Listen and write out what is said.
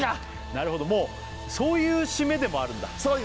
なるほどもうそういうシメでもあるんだそう